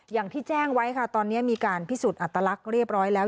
อย่างที่แจ้งไว้ค่ะตอนนี้มีการพิสูจน์อัตลักษณ์เรียบร้อยแล้ว